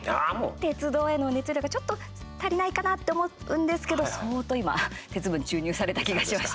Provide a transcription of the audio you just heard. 鉄道への熱量がちょっと足りないかなって思うんですけど相当、今、鉄分注入された気がしました。